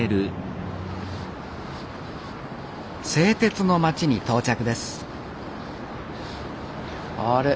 製鉄の町に到着ですあれ